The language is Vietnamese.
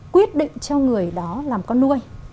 quyết định cho người đó làm con nuôi